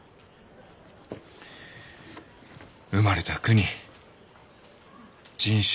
生まれた国人種